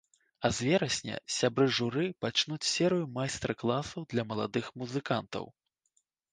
А з верасня сябры журы пачнуць серыю майстар-класаў для маладых музыкантаў.